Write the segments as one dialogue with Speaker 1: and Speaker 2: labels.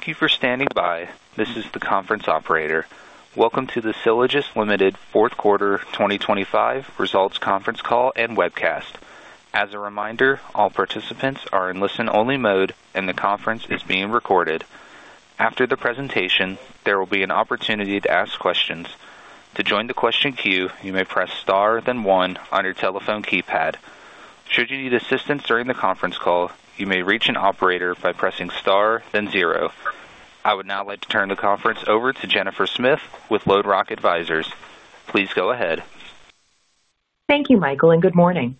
Speaker 1: Thank you for standing by. This is the conference operator. Welcome to the Sylogist Ltd. fourth quarter 2025 results conference call and webcast. As a reminder, all participants are in listen-only mode, and the conference is being recorded. After the presentation, there will be an opportunity to ask questions. To join the question queue, you may press star then one on your telephone keypad. Should you need assistance during the conference call, you may reach an operator by pressing star then zero. I would now like to turn the conference over to Jennifer Smith with LodeRock Advisors. Please go ahead.
Speaker 2: Thank you, Michael, and good morning.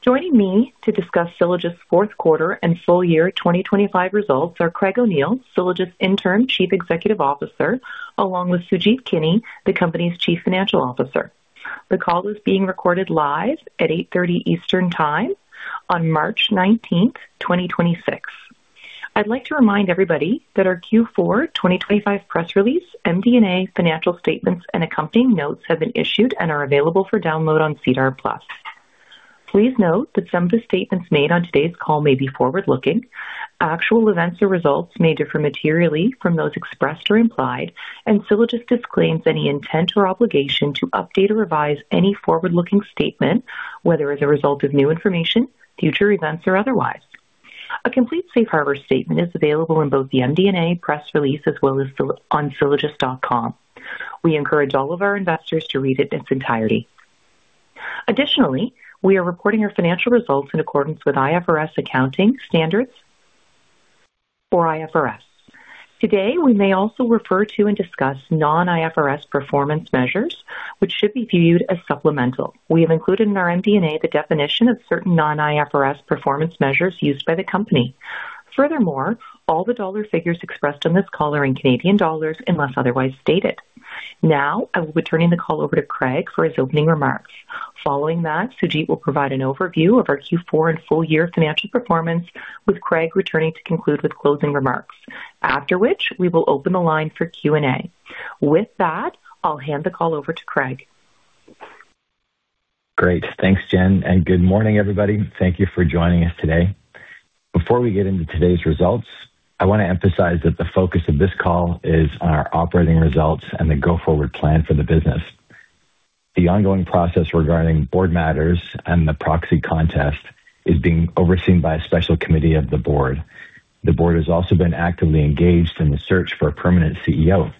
Speaker 2: Joining me to discuss Sylogist's fourth quarter and full year 2025 results are Craig O'Neill, Sylogist's Interim Chief Executive Officer, along with Sujeet Kini, the company's Chief Financial Officer. The call is being recorded live at 8:30 A.M. Eastern Time on March 19, 2026. I'd like to remind everybody that our Q4 2025 press release, MD&A financial statements and accompanying notes have been issued and are available for download on SEDAR+. Please note that some of the statements made on today's call may be forward-looking. Actual events or results may differ materially from those expressed or implied, and Sylogist disclaims any intent or obligation to update or revise any forward-looking statement, whether as a result of new information, future events or otherwise. A complete safe harbor statement is available in both the MD&A press release as well as sylogist.com. We encourage all of our investors to read it in its entirety. Additionally, we are reporting our financial results in accordance with IFRS accounting standards or IFRS. Today, we may also refer to and discuss non-IFRS performance measures, which should be viewed as supplemental. We have included in our MD&A the definition of certain non-IFRS performance measures used by the company. Furthermore, all the dollar figures expressed on this call are in Canadian dollars unless otherwise stated. Now, I will be turning the call over to Craig for his opening remarks. Following that, Sujeet will provide an overview of our Q4 and full year financial performance, with Craig returning to conclude with closing remarks. After which, we will open the line for Q&A. With that, I'll hand the call over to Craig.
Speaker 3: Great. Thanks, Jen, and good morning, everybody. Thank you for joining us today. Before we get into today's results, I wanna emphasize that the focus of this call is on our operating results and the go-forward plan for the business. The ongoing process regarding board matters and the proxy contest is being overseen by a special committee of the board. The board has also been actively engaged in the search for a permanent CEO.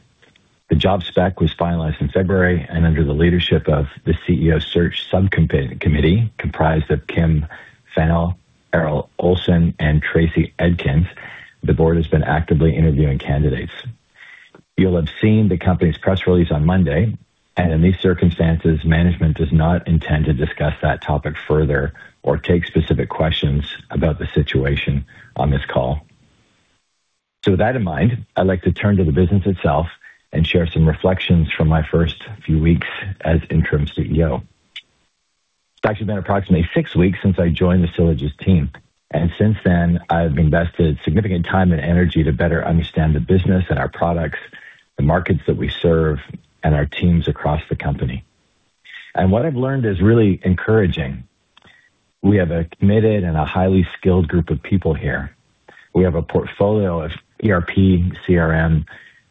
Speaker 3: The job spec was finalized in February, and under the leadership of the CEO search subcommittee, comprised of Kim Fennell, Errol Olson, and Tracy Edkins, the board has been actively interviewing candidates. You'll have seen the company's press release on Monday, and in these circumstances, management does not intend to discuss that topic further or take specific questions about the situation on this call. With that in mind, I'd like to turn to the business itself and share some reflections from my first few weeks as interim CEO. It's actually been approximately six weeks since I joined the Sylogist’s team, and since then, I've invested significant time and energy to better understand the business and our products, the markets that we serve, and our teams across the company. What I've learned is really encouraging. We have a committed and a highly skilled group of people here. We have a portfolio of ERP, CRM,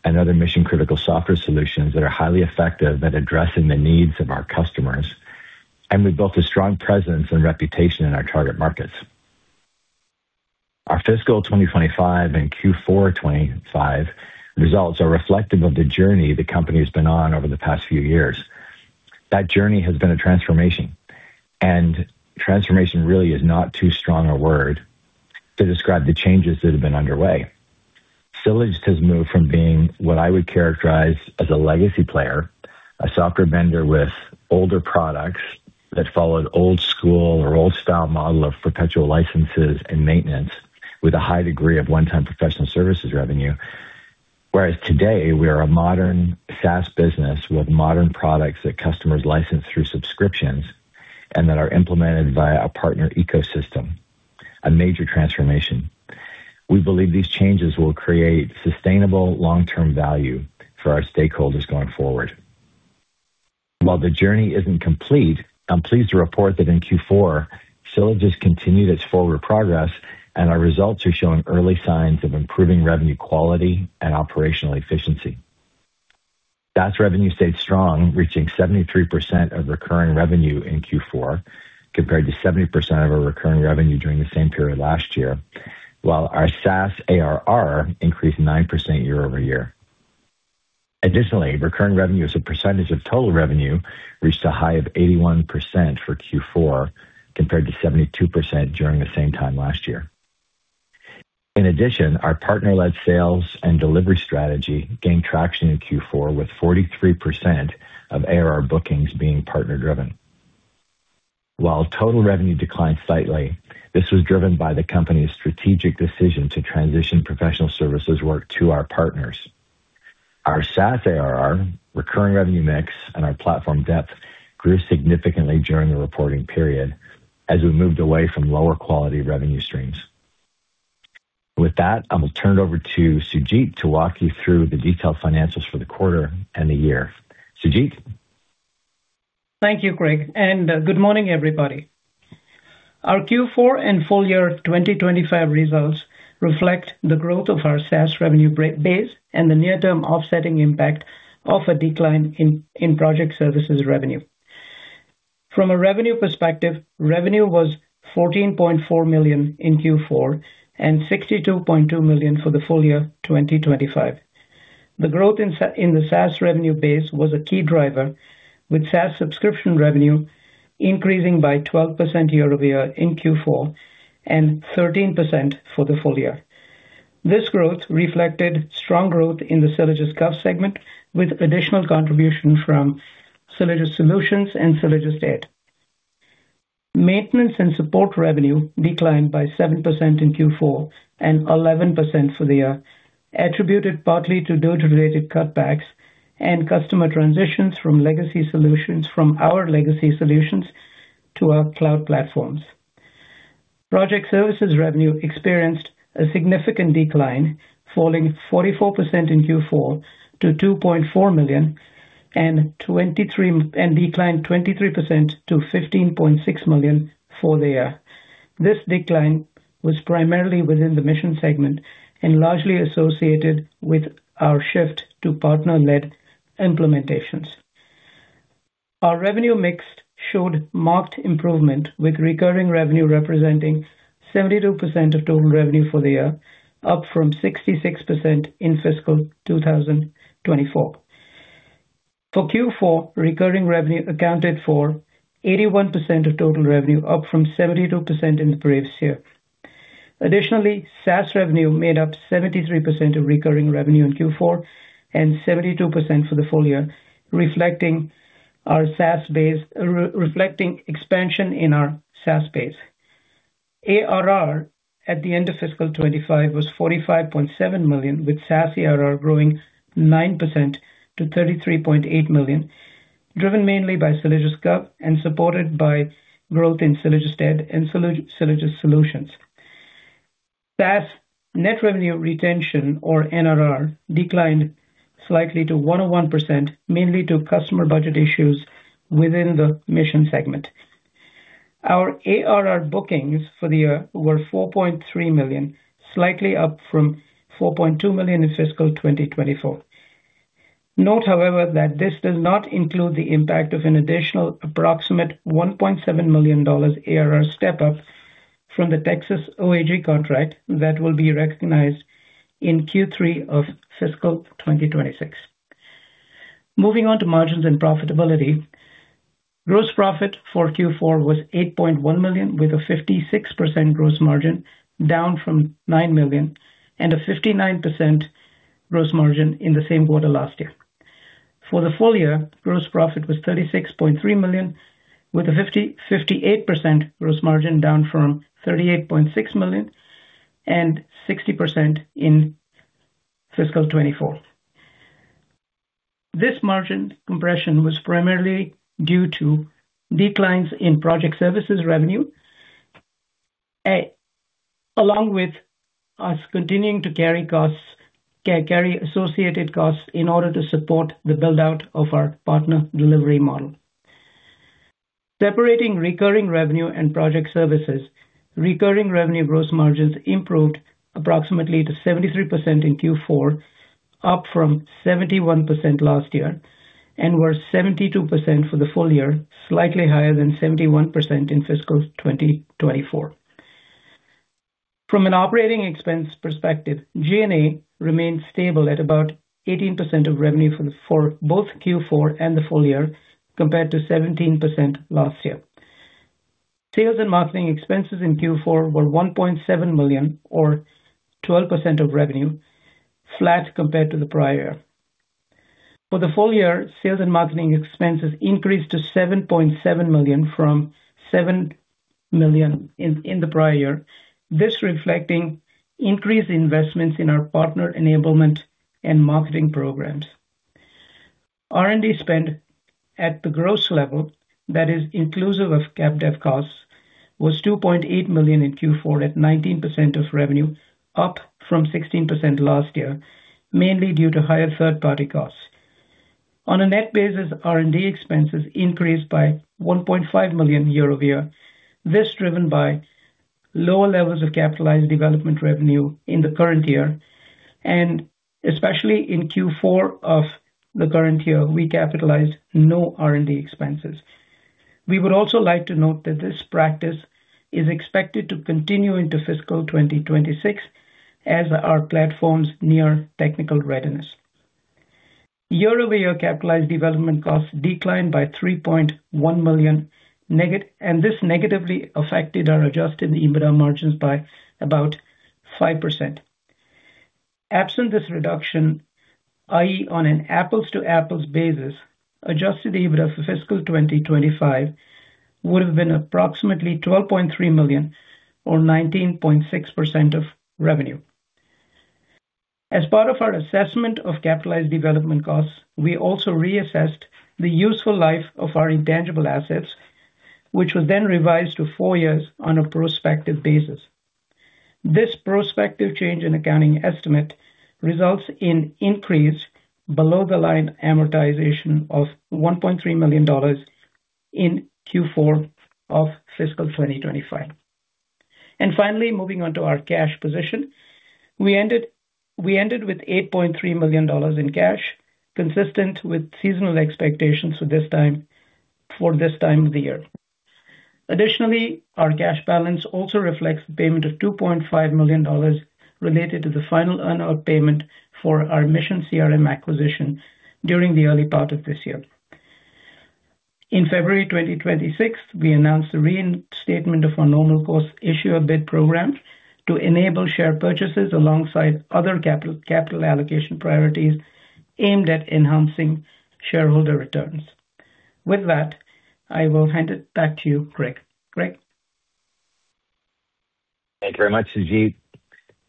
Speaker 3: and other mission-critical software solutions that are highly effective at addressing the needs of our customers. We built a strong presence and reputation in our target markets. Our fiscal 2025 and Q4 2025 results are reflective of the journey the company has been on over the past few years. That journey has been a transformation, and transformation really is not too strong a word to describe the changes that have been underway. Sylogist has moved from being what I would characterize as a legacy player, a software vendor with older products that followed old school or old style model of perpetual licenses and maintenance with a high degree of one-time professional services revenue. Whereas today, we are a modern SaaS business with modern products that customers license through subscriptions and that are implemented via a partner ecosystem, a major transformation. We believe these changes will create sustainable long-term value for our stakeholders going forward. While the journey isn't complete, I'm pleased to report that in Q4, Sylogist continued its forward progress, and our results are showing early signs of improving revenue quality and operational efficiency. SaaS revenue stayed strong, reaching 73% of recurring revenue in Q4, compared to 70% of our recurring revenue during the same period last year, while our SaaS ARR increased 9% year-over-year. Additionally, recurring revenue as a percentage of total revenue reached a high of 81% for Q4, compared to 72% during the same time last year. In addition, our partner-led sales and delivery strategy gained traction in Q4, with 43% of ARR bookings being partner-driven. While total revenue declined slightly, this was driven by the company's strategic decision to transition professional services work to our partners. Our SaaS ARR, recurring revenue mix, and our platform depth grew significantly during the reporting period as we moved away from lower quality revenue streams. With that, I will turn it over to Sujeet to walk you through the detailed financials for the quarter and the year. Sujeet?
Speaker 4: Thank you, Craig O'Neill, and good morning, everybody. Our Q4 and full year 2025 results reflect the growth of our SaaS revenue base and the near-term offsetting impact of a decline in project services revenue. From a revenue perspective, revenue was 14.4 million in Q4 and 62.2 million for the full year 2025. The growth in the SaaS revenue base was a key driver, with SaaS subscription revenue increasing by 12% year-over-year in Q4 and 13% for the full year. This growth reflected strong growth in the SylogistGov segment, with additional contribution from Sylogist Solutions and Sylogist Stat. Maintenance and support revenue declined by 7% in Q4 and 11% for the year, attributed partly to DOJ-related cutbacks and customer transitions from our legacy solutions to our cloud platforms. Project services revenue experienced a significant decline, falling 44% in Q4 to 2.4 million, and declined 23% to 15.6 million for the year. This decline was primarily within the Mission segment and largely associated with our shift to partner-led implementations. Our revenue mix showed marked improvement, with recurring revenue representing 72% of total revenue for the year, up from 66% in fiscal 2024. For Q4, recurring revenue accounted for 81% of total revenue, up from 72% in the previous year. Additionally, SaaS revenue made up 73% of recurring revenue in Q4 and 72% for the full year, reflecting expansion in our SaaS base. ARR at the end of fiscal 2025 was 45.7 million, with SaaS ARR growing 9% to 33.8 million, driven mainly by SylogistGov and supported by growth in Sylogist Stat and Sylogist Solutions. SaaS net revenue retention, or NRR, declined slightly to 101%, mainly due to customer budget issues within the Mission segment. Our ARR bookings for the year were 4.3 million, slightly up from 4.2 million in fiscal 2024. Note, however, that this does not include the impact of an additional approximate 1.7 million dollars ARR step up from the Texas OAG contract that will be recognized in Q3 of fiscal 2026. Moving on to margins and profitability. Gross profit for Q4 was 8.1 million, with a 56% gross margin, down from 9 million and a 59% gross margin in the same quarter last year. For the full year, gross profit was 36.3 million, with a 58% gross margin, down from 38.6 million and 60% in fiscal 2024. This margin compression was primarily due to declines in project services revenue, along with us continuing to carry costs, carry associated costs in order to support the build-out of our partner delivery model. Separating recurring revenue and project services, recurring revenue gross margins improved approximately to 73% in Q4, up from 71% last year, and were 72% for the full year, slightly higher than 71% in fiscal 2024. From an operating expense perspective, G&A remained stable at about 18% of revenue for both Q4 and the full year, compared to 17% last year. Sales and marketing expenses in Q4 were 1.7 million or 12% of revenue, flat compared to the prior year. For the full year, sales and marketing expenses increased to 7.7 million from 7 million in the prior year. This reflecting increased investments in our partner enablement and marketing programs. R&D spend at the gross level, that is inclusive of cap dev costs, was 2.8 million in Q4 at 19% of revenue, up from 16% last year, mainly due to higher third-party costs. On a net basis, R&D expenses increased by 1.5 million year-over-year. This driven by lower levels of capitalized development revenue in the current year, and especially in Q4 of the current year, we capitalized no R&D expenses. We would also like to note that this practice is expected to continue into fiscal 2026 as our platforms near technical readiness. Year-over-year capitalized development costs declined by 3.1 million and this negatively affected our adjusted EBITDA margins by about 5%. Absent this reduction, i.e., on an apples-to-apples basis, adjusted EBITDA for fiscal 2025 would have been approximately 12.3 million or 19.6% of revenue. As part of our assessment of capitalized development costs, we also reassessed the useful life of our intangible assets, which was then revised to four years on a prospective basis. This prospective change in accounting estimate results in increase below the line amortization of 1.3 million dollars in Q4 of fiscal 2025. Finally, moving on to our cash position. We ended with 8.3 million dollars in cash, consistent with seasonal expectations for this time of the year. Additionally, our cash balance also reflects the payment of 2.5 million dollars related to the final earn-out payment for our MissionCRM acquisition during the early part of this year. In February 2026, we announced the reinstatement of our normal course issuer bid program to enable share purchases alongside other capital allocation priorities aimed at enhancing shareholder returns. With that, I will hand it back to you, Craig. Craig?
Speaker 3: Thank you very much, Sujeet.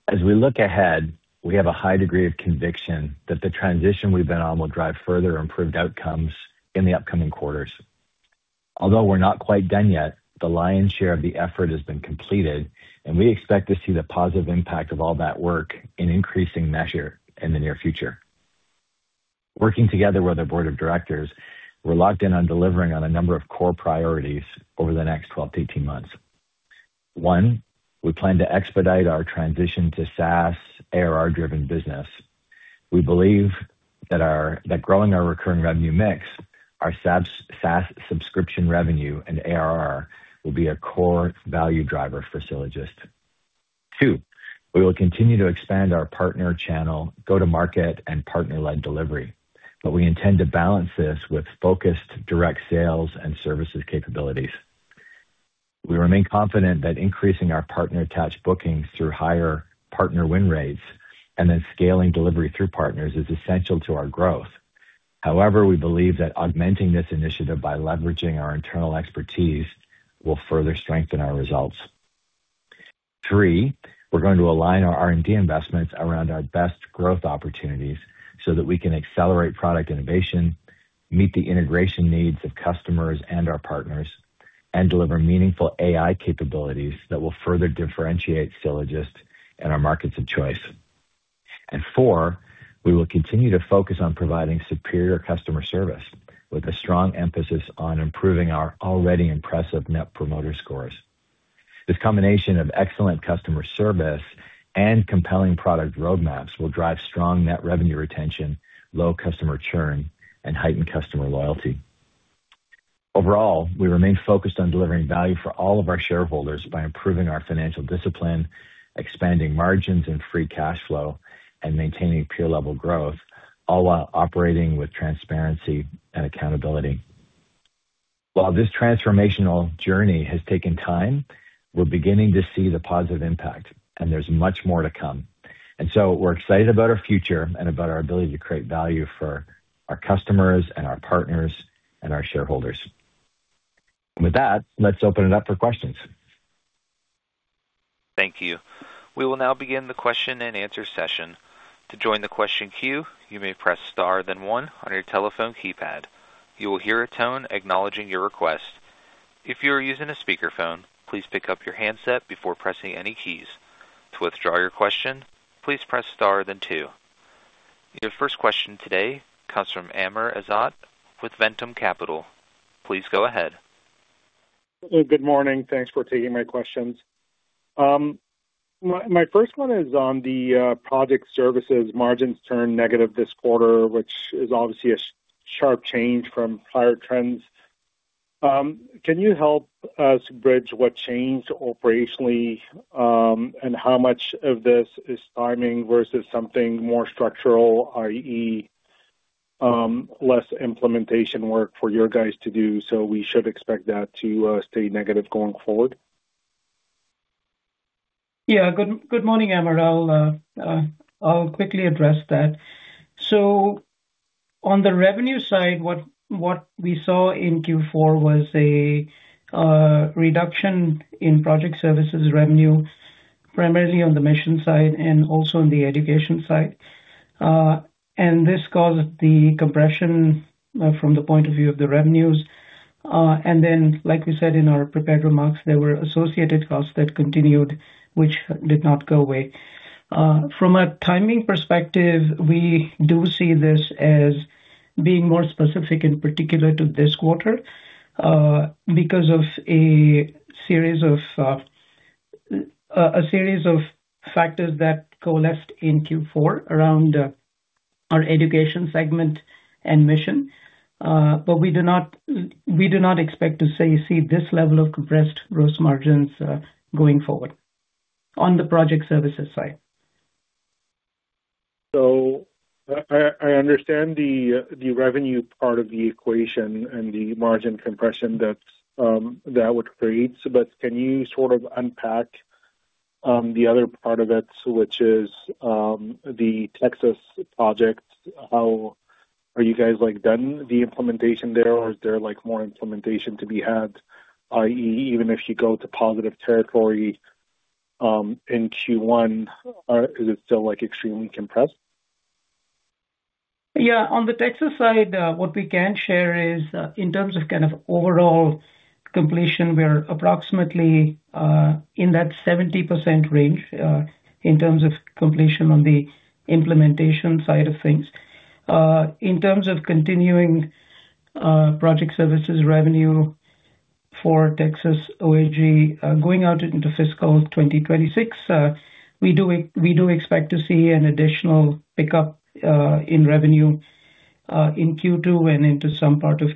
Speaker 3: As we look ahead, we have a high degree of conviction that the transition we've been on will drive further improved outcomes in the upcoming quarters. Although we're not quite done yet, the lion's share of the effort has been completed, and we expect to see the positive impact of all that work in increasing measure in the near future. Working together with our board of directors, we're locked in on delivering on a number of core priorities over the next 12-18 months. One, we plan to expedite our transition to SaaS ARR-driven business. We believe that growing our recurring revenue mix, our SaaS subscription revenue and ARR will be a core value driver for Sylogist. Two, we will continue to expand our partner channel, go-to-market, and partner-led delivery, but we intend to balance this with focused direct sales and services capabilities. We remain confident that increasing our partner attached bookings through higher partner win rates and then scaling delivery through partners is essential to our growth. However, we believe that augmenting this initiative by leveraging our internal expertise will further strengthen our results. Three, we're going to align our R&D investments around our best growth opportunities so that we can accelerate product innovation, meet the integration needs of customers and our partners, and deliver meaningful AI capabilities that will further differentiate Sylogist and our markets of choice. Four, we will continue to focus on providing superior customer service with a strong emphasis on improving our already impressive Net Promoter Score. This combination of excellent customer service and compelling product roadmaps will drive strong net revenue retention, low customer churn, and heightened customer loyalty. Overall, we remain focused on delivering value for all of our shareholders by improving our financial discipline, expanding margins and free cash flow, and maintaining peer-level growth, all while operating with transparency and accountability. While this transformational journey has taken time, we're beginning to see the positive impact, and there's much more to come. We're excited about our future and about our ability to create value for our customers and our partners and our shareholders. With that, let's open it up for questions.
Speaker 1: Thank you. We will now begin the question-and-answer session. To join the question queue, you may press Star then one on your telephone keypad. You will hear a tone acknowledging your request. If you are using a speakerphone, please pick up your handset before pressing any keys. To withdraw your question, please press star then two. Your first question today comes from Amr Ezzat with Ventum Capital. Please go ahead.
Speaker 5: Good morning. Thanks for taking my questions. My first one is on the project services margins turn negative this quarter, which is obviously a sharp change from prior trends. Can you help us bridge what changed operationally, and how much of this is timing versus something more structural, i.e., less implementation work for your guys to do, so we should expect that to stay negative going forward?
Speaker 4: Yeah. Good morning, Amr. I'll quickly address that. On the revenue side, what we saw in Q4 was a reduction in project services revenue, primarily on the Mission side and also on the education side. This caused the compression from the point of view of the revenues. Then, like we said in our prepared remarks, there were associated costs that continued, which did not go away. From a timing perspective, we do see this as being more specific in particular to this quarter because of a series of factors that coalesced in Q4 around our education segment and Mission. We do not expect to see this level of compressed gross margins going forward on the project services side.
Speaker 5: I understand the revenue part of the equation and the margin compression that would create, but can you sort of unpack the other part of it, which is the Texas project? How are you guys like done the implementation there, or is there like more implementation to be had, i.e., even if you go to positive territory in Q1, is it still like extremely compressed?
Speaker 4: Yeah, on the Texas side, what we can share is, in terms of kind of overall completion, we're approximately in that 70% range, in terms of completion on the implementation side of things. In terms of continuing project services revenue for Texas OAG, going out into fiscal 2026, we do expect to see an additional pickup in revenue in Q2 and into some part of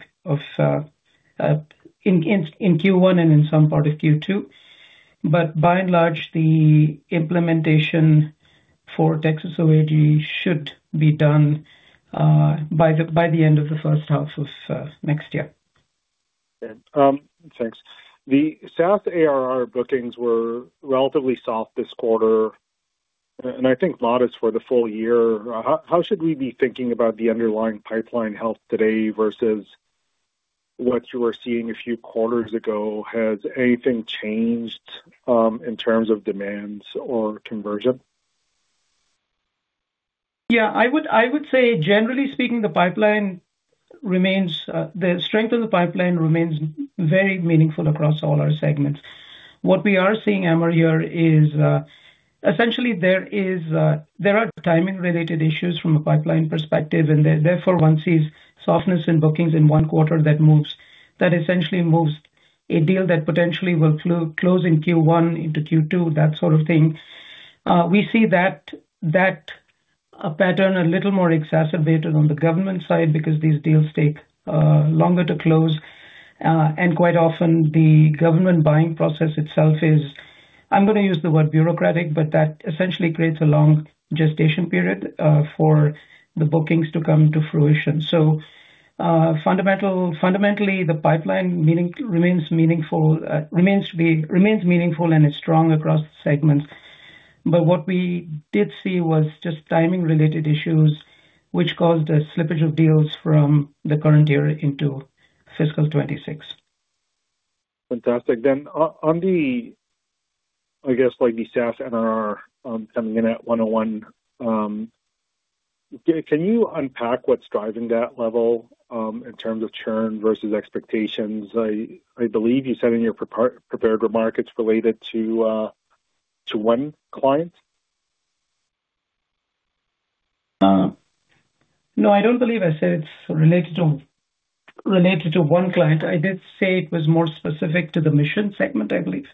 Speaker 4: in Q1 and in some part of Q2. By and large, the implementation for Texas OAG should be done by the end of the first half of next year.
Speaker 5: Thanks. The SaaS ARR bookings were relatively soft this quarter, and I think modest for the full year. How should we be thinking about the underlying pipeline health today versus what you were seeing a few quarters ago? Has anything changed, in terms of demands or conversion?
Speaker 4: Yeah, I would say generally speaking, the pipeline remains, the strength of the pipeline remains very meaningful across all our segments. What we are seeing, Amr, here is essentially there are timing related issues from a pipeline perspective, and therefore one sees softness in bookings in one quarter that essentially moves a deal that potentially will close in Q1 into Q2, that sort of thing. We see that pattern a little more exacerbated on the government side because these deals take longer to close. And quite often the government buying process itself is, I'm gonna use the word bureaucratic, but that essentially creates a long gestation period for the bookings to come to fruition. Fundamentally, the pipeline remains meaningful, and it's strong across segments. What we did see was just timing related issues which caused a slippage of deals from the current year into fiscal 2026.
Speaker 5: Fantastic. On the, I guess, like, the SaaS NRR coming in at 101, can you unpack what's driving that level in terms of churn versus expectations? I believe you said in your prepared remarks it's related to one client.
Speaker 4: No, I don't believe I said it's related to one client. I did say it was more specific to the Mission segment, I believe.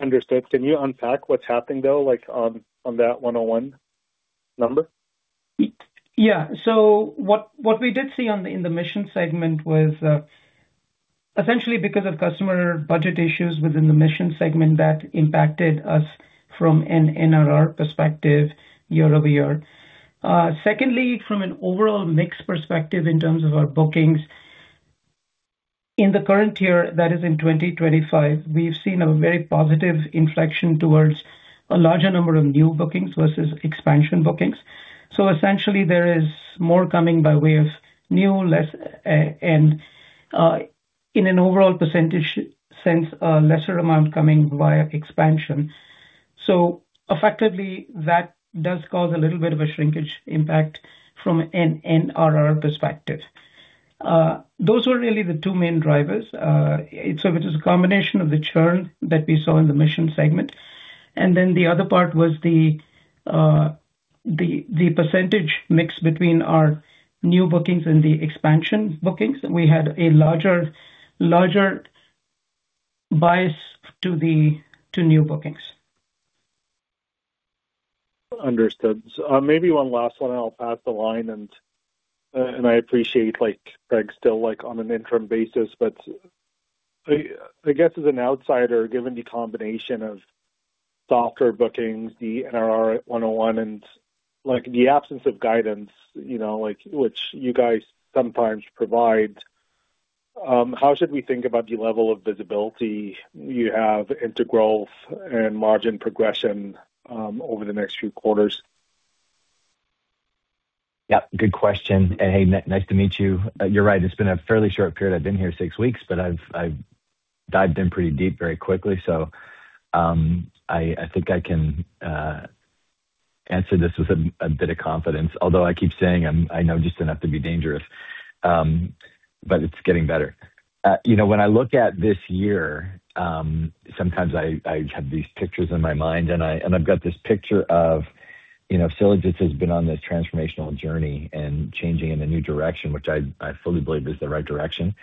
Speaker 5: Understood. Can you unpack what's happening though, like on that 101 number?
Speaker 4: Yeah. What we did see in the Mission segment was essentially because of customer budget issues within the Mission segment that impacted us from an NRR perspective year over year. Secondly, from an overall mix perspective in terms of our bookings, in the current year, that is in 2025, we've seen a very positive inflection towards a larger number of new bookings versus expansion bookings. Essentially there is more coming by way of new, less, and in an overall percentage sense, a lesser amount coming via expansion. Effectively that does cause a little bit of a shrinkage impact from an NRR perspective. Those were really the two main drivers. It is a combination of the churn that we saw in the Mission segment, and then the other part was the percentage mix between our new bookings and the expansion bookings. We had a larger bias to the new bookings.
Speaker 5: Understood. Maybe one last one and I'll pass the line and I appreciate, like, Craig's still like on an interim basis, but I guess as an outsider, given the combination of softer bookings, the NRR at 101, and like the absence of guidance, you know, like, which you guys sometimes provide, how should we think about the level of visibility you have into growth and margin progression over the next few quarters?
Speaker 3: Yeah, good question. Hey, nice to meet you. You're right, it's been a fairly short period. I've been here six weeks, but I've dived in pretty deep very quickly. I think I can answer this with a bit of confidence. Although I keep saying I know just enough to be dangerous, but it's getting better. You know, when I look at this year, sometimes I have these pictures in my mind, and I've got this picture of, you know, Sylogist has been on this transformational journey and changing in a new direction, which I fully believe is the right direction.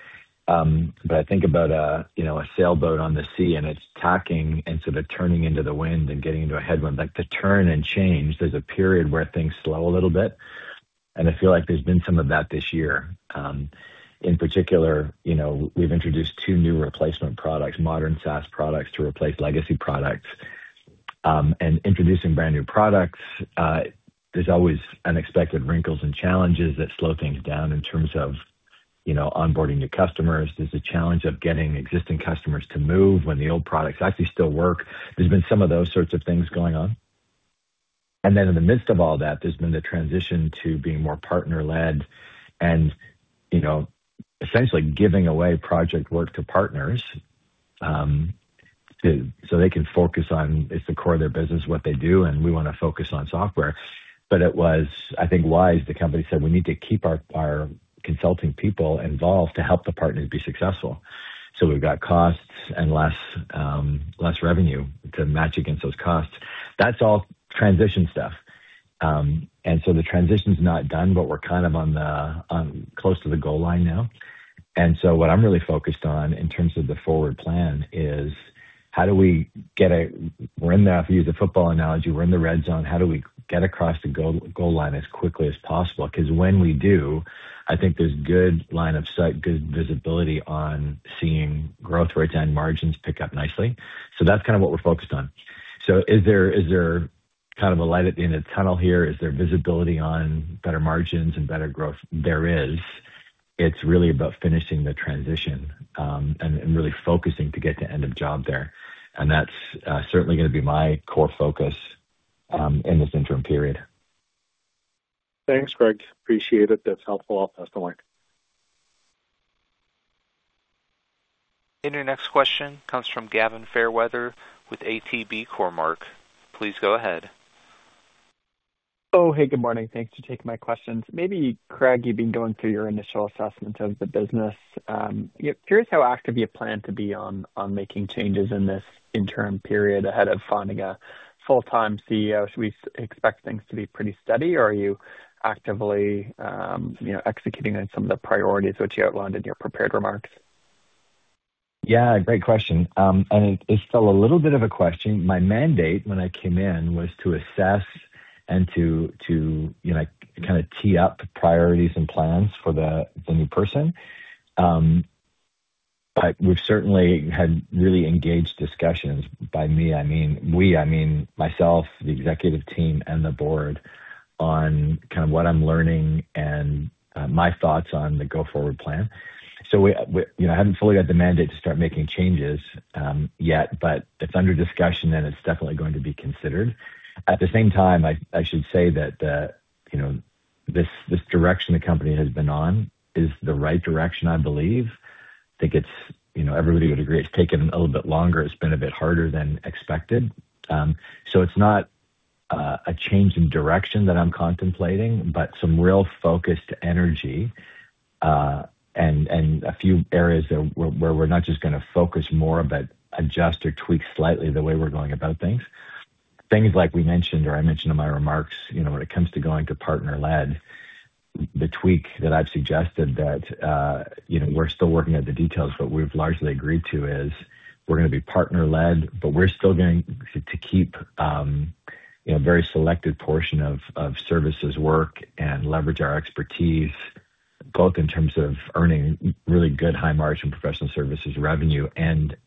Speaker 3: I think about, you know, a sailboat on the sea and it's tacking and sort of turning into the wind and getting into a headwind. Likely to turn and change, there's a period where things slow a little bit, and I feel like there's been some of that this year. In particular, you know, we've introduced two new replacement products, modern SaaS products, to replace legacy products. Introducing brand new products, there's always unexpected wrinkles and challenges that slow things down in terms of, you know, onboarding new customers. There's a challenge of getting existing customers to move when the old products actually still work. There's been some of those sorts of things going on. In the midst of all that, there's been the transition to being more partner-led and, you know, essentially giving away project work to partners so they can focus on it. It's the core of their business, what they do, and we want to focus on software. It was, I think, wise. The company said, "We need to keep our consulting people involved to help the partners be successful." We've got costs and less revenue to match against those costs. That's all transition stuff. The transition's not done, but we're kind of close to the goal line now. What I'm really focused on in terms of the forward plan is, to use the football analogy, we're in the red zone. How do we get across the goal line as quickly as possible? 'Cause when we do, I think there's good line of sight, good visibility on seeing growth rates and margins pick up nicely. That's kind of what we're focused on. Is there kind of a light at the end of the tunnel here? Is there visibility on better margins and better growth? There is. It's really about finishing the transition, and really focusing to get to end of job there. That's certainly gonna be my core focus in this interim period.
Speaker 5: Thanks, Craig. Appreciate it. That's helpful.
Speaker 3: That's no worry.
Speaker 1: Your next question comes from Gavin Fairweather with ATB Cormark. Please go ahead.
Speaker 6: Oh, hey, good morning. Thanks for taking my questions. Maybe, Craig, you've been going through your initial assessments of the business. Curious how active you plan to be on making changes in this interim period ahead of finding a full-time CEO. Should we expect things to be pretty steady, or are you actively, you know, executing on some of the priorities which you outlined in your prepared remarks?
Speaker 3: Yeah, great question. It's still a little bit of a question. My mandate when I came in was to assess and to you know, kind of tee up priorities and plans for the new person. We've certainly had really engaged discussions. By me, I mean we, I mean myself, the executive team, and the board on kind of what I'm learning and my thoughts on the go-forward plan. You know, I haven't fully got the mandate to start making changes yet, but it's under discussion, and it's definitely going to be considered. At the same time, I should say that you know, this direction the company has been on is the right direction, I believe. I think it's you know, everybody would agree it's taken a little bit longer. It's been a bit harder than expected. It's not a change in direction that I'm contemplating, but some real focused energy and a few areas where we're not just gonna focus more, but adjust or tweak slightly the way we're going about things. Things like we mentioned or I mentioned in my remarks, you know, when it comes to going to partner-led, the tweak that I've suggested, you know, we're still working out the details, but we've largely agreed to is we're gonna be partner-led, but we're still going to keep, you know, a very selective portion of services work and leverage our expertise, both in terms of earning really good high margin professional services revenue and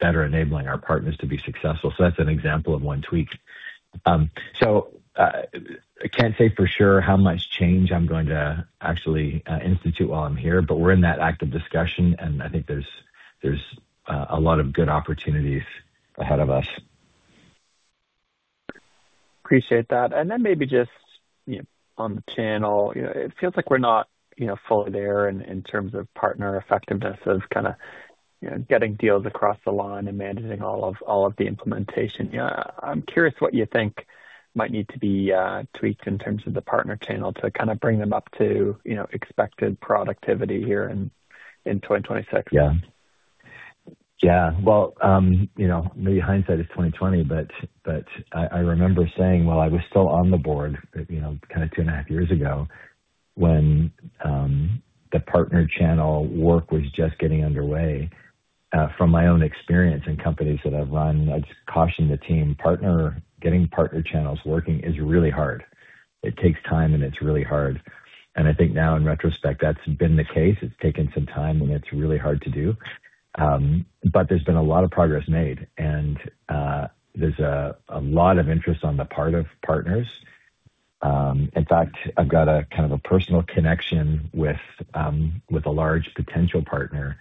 Speaker 3: better enabling our partners to be successful. That's an example of one tweak. I can't say for sure how much change I'm going to actually institute while I'm here, but we're in that active discussion, and I think there's a lot of good opportunities ahead of us.
Speaker 6: Appreciate that. Then maybe just, you know, on the channel, you know, it feels like we're not, you know, fully there in terms of partner effectiveness of kinda, you know, getting deals across the line and managing all of the implementation. You know, I'm curious what you think might need to be tweaked in terms of the partner channel to kind of bring them up to, you know, expected productivity here in 2026.
Speaker 3: Yeah. Yeah. Well, you know, maybe hindsight is 20/20, but I remember saying while I was still on the board, you know, kind of 2.5 years ago, when the partner channel work was just getting underway, from my own experience in companies that I've run, I'd caution the team, getting partner channels working is really hard. It takes time, and it's really hard. I think now in retrospect, that's been the case. It's taken some time, and it's really hard to do. There's been a lot of progress made, and there's a lot of interest on the part of partners. In fact, I've got a kind of a personal connection with a large potential partner,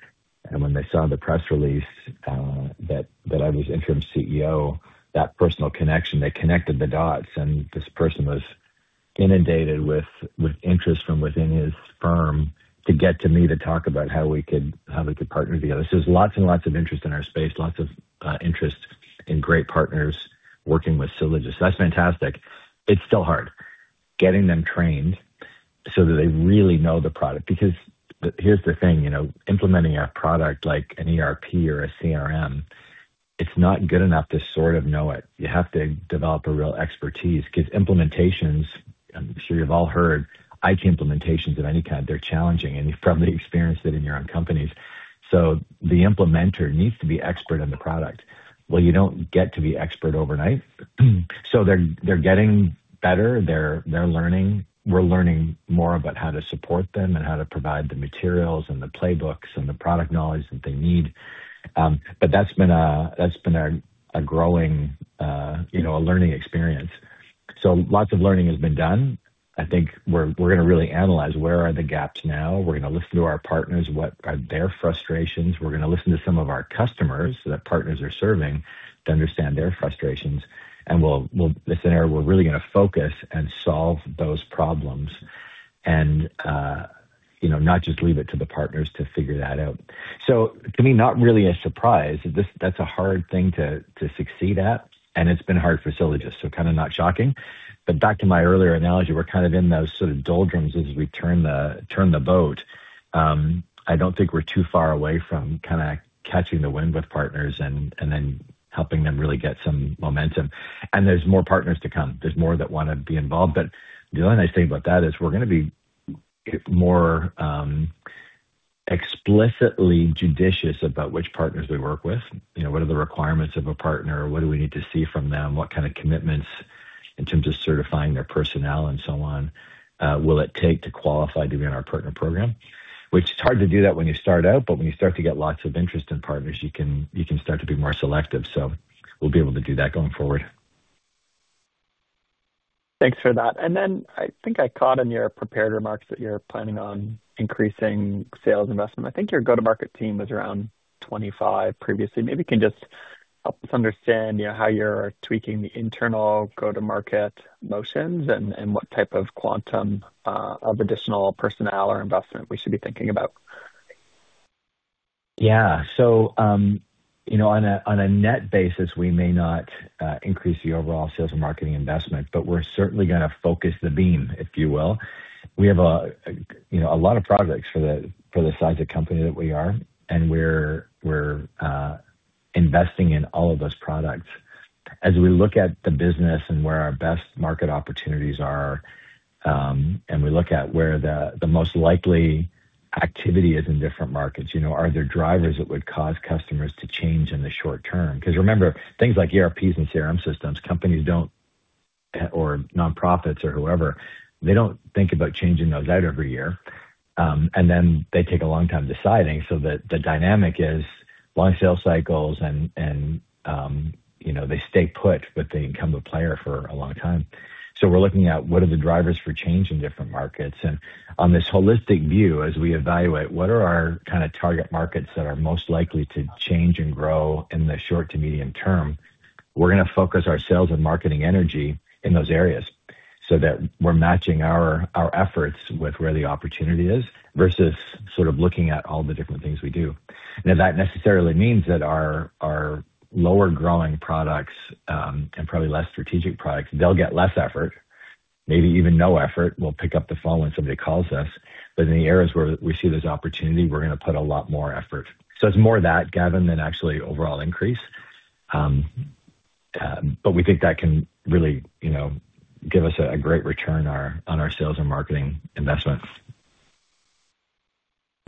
Speaker 3: and when they saw the press release that I was interim CEO, that personal connection, they connected the dots, and this person was inundated with interest from within his firm to get to me to talk about how we could partner together. So there's lots and lots of interest in our space, lots of interest in great partners working with Sylogist. So that's fantastic. It's still hard getting them trained so that they really know the product. Because here's the thing, you know, implementing our product like an ERP or a CRM, it's not good enough to sort of know it. You have to develop a real expertise 'cause implementations, I'm sure you've all heard, IT implementations of any kind, they're challenging, and you've probably experienced it in your own companies. The implementer needs to be expert in the product. Well, you don't get to be expert overnight. They're getting better. They're learning. We're learning more about how to support them and how to provide the materials and the playbooks and the product knowledge that they need. That's been a growing, you know, a learning experience. Lots of learning has been done. I think we're gonna really analyze where are the gaps now. We're gonna listen to our partners, what are their frustrations. We're gonna listen to some of our customers that partners are serving to understand their frustrations. We'll It's an area we're really gonna focus and solve those problems. You know, not just leave it to the partners to figure that out. To me, not really a surprise. That's a hard thing to succeed at, and it's been hard for Sylogist, kind of not shocking. Back to my earlier analogy, we're kind of in those sort of doldrums as we turn the boat. I don't think we're too far away from kind of catching the wind with partners and then helping them really get some momentum. There's more partners to come. There's more that want to be involved. The only nice thing about that is we're gonna be more explicitly judicious about which partners we work with. You know, what are the requirements of a partner? What do we need to see from them? What kind of commitments in terms of certifying their personnel and so on, will it take to qualify to be on our partner program? Which is hard to do that when you start out, but when you start to get lots of interest in partners, you can start to be more selective. We'll be able to do that going forward.
Speaker 6: Thanks for that. Then I think I caught in your prepared remarks that you're planning on increasing sales investment. I think your go-to-market team was around 25 previously. Maybe you can just help us understand, you know, how you're tweaking the internal go-to-market motions and what type of quantum of additional personnel or investment we should be thinking about.
Speaker 3: Yeah. On a net basis, we may not increase the overall sales and marketing investment, but we're certainly gonna focus the beam, if you will. We have a lot of products for the size of company that we are, and we're investing in all of those products. As we look at the business and where our best market opportunities are, and we look at where the most likely activity is in different markets. You know, are there drivers that would cause customers to change in the short term? Because remember, things like ERPs and CRM systems, companies don't, or nonprofits or whoever, they don't think about changing those out every year. They take a long time deciding so that the dynamic is long sales cycles and, you know, they stay put, but they become a player for a long time. We're looking at what are the drivers for change in different markets. On this holistic view, as we evaluate what are our kind of target markets that are most likely to change and grow in the short to medium term, we're gonna focus our sales and marketing energy in those areas so that we're matching our efforts with where the opportunity is versus sort of looking at all the different things we do. Now, that necessarily means that our lower growing products and probably less strategic products, they'll get less effort, maybe even no effort. We'll pick up the phone when somebody calls us. In the areas where we see there's opportunity, we're gonna put a lot more effort. It's more that, Gavin, than actually overall increase. We think that can really, you know, give us a great return on our sales and marketing investments.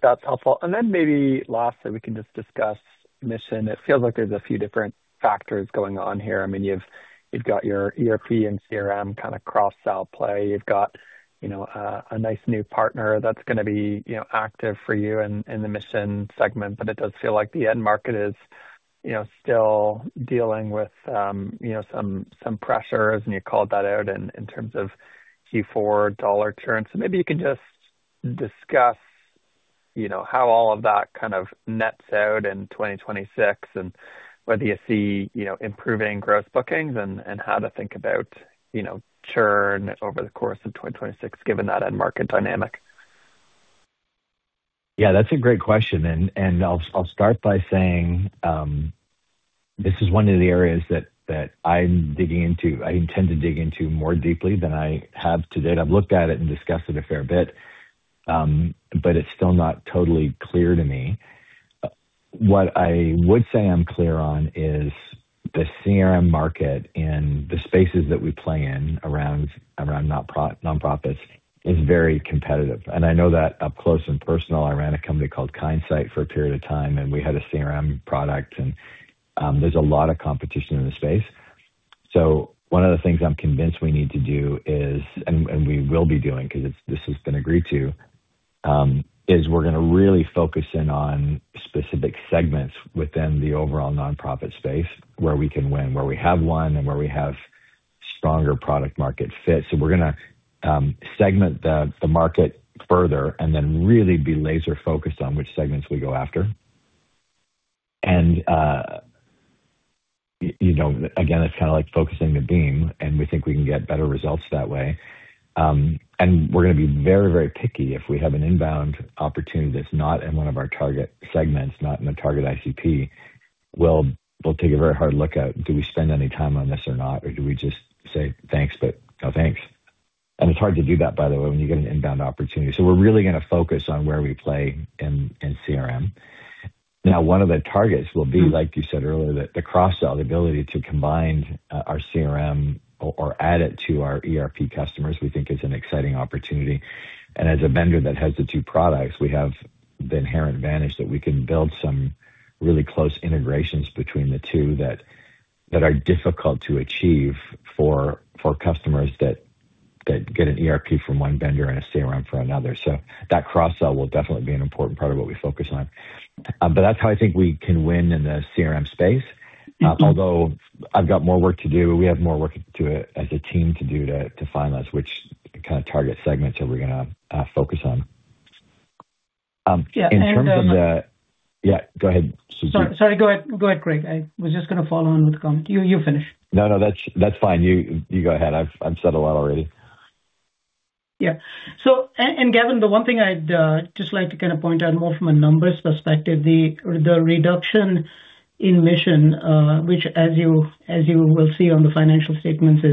Speaker 6: That's helpful. Maybe lastly, we can just discuss Mission. It feels like there's a few different factors going on here. I mean, you've got your ERP and CRM kind of cross-sell play. You've got, you know, a nice new partner that's gonna be, you know, active for you in the Mission segment. It does feel like the end market is, you know, still dealing with, you know, some pressures, and you called that out in terms of Q4 dollar churn. Maybe you can just discuss, you know, how all of that kind of nets out in 2026 and whether you see, you know, improving gross bookings and how to think about, you know, churn over the course of 2026, given that end market dynamic.
Speaker 3: Yeah, that's a great question. I'll start by saying this is one of the areas that I'm digging into. I intend to dig into more deeply than I have to date. I've looked at it and discussed it a fair bit, but it's still not totally clear to me. What I would say I'm clear on is the CRM market and the spaces that we play in around nonprofits is very competitive, and I know that up close and personal. I ran a company called Kindsight for a period of time, and we had a CRM product, and there's a lot of competition in the space. One of the things I'm convinced we need to do is, and we will be doing, because this has been agreed to, is we're gonna really focus in on specific segments within the overall nonprofit space where we can win, where we have won, and where we have stronger product market fit. We're gonna segment the market further and then really be laser focused on which segments we go after. You know, again, it's kind of like focusing the beam, and we think we can get better results that way. We're gonna be very, very picky. If we have an inbound opportunity that's not in one of our target segments, not in a target ICP, we'll take a very hard look at, do we spend any time on this or not, or do we just say, "Thanks, but no thanks"? It's hard to do that, by the way, when you get an inbound opportunity. We're really gonna focus on where we play in CRM. Now, one of the targets will be, like you said earlier, the cross-sell, the ability to combine our CRM or add it to our ERP customers, we think is an exciting opportunity. As a vendor that has the two products, we have the inherent advantage that we can build some really close integrations between the two that are difficult to achieve for customers that get an ERP from one vendor and a CRM from another. So that cross-sell will definitely be an important part of what we focus on. But that's how I think we can win in the CRM space. Although I've got more work to do, we have more work to do as a team to finalize which kind of target segments are we gonna focus on. In terms of the. Yeah, go ahead, Sujeet.
Speaker 4: Sorry, go ahead. Go ahead, Craig. I was just gonna follow on with a comment. You finish.
Speaker 3: No, that's fine. You go ahead. I've said a lot already.
Speaker 4: Yeah. Gavin, the one thing I'd just like to kind of point out more from a numbers perspective, the reduction in Mission, which as you will see on the financial statements